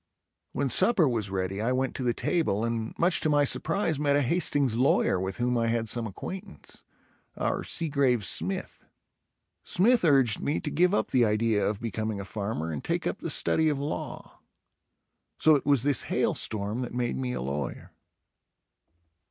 When supper was ready I went to the table and much to my surprise met a Hastings lawyer with whom I had some acquaintance, our Seagrave Smith. Smith urged me to give up the idea of becoming a farmer and take up the study of law. So it was this hail storm that made me a lawyer.